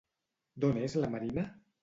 D'on és la Marina?